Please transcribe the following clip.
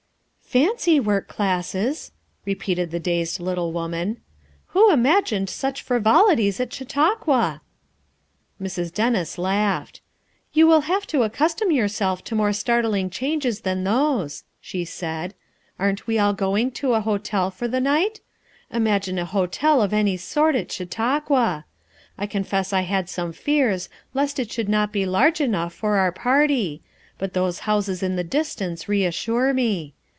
"Pancy work classes!" repeated the dazed little woman. "Who imagined such frivolities at Chautauqua!" G4 FOUR MOTHERS AT CHAUTAUQUA Mrs. Dennis laughed. "You will have to accustom yourself to more startling changes than those," she said. "Aren't wo all going to a hotel for the night? Imagine a hotel of any sort at Chautauqua! I confess I had some fears lest it should not he large enough for our party, hut those houses in the distance reassure me.